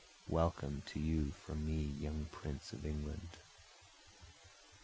welcome to you from me, young prince of England!